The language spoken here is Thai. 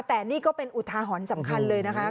แต่นี่ก็เป็นอุทาหรณ์สำคัญเลยนะคะ